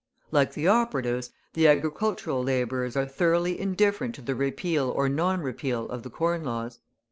Like the operatives, the agricultural labourers are thoroughly indifferent to the repeal or non repeal of the Corn Laws.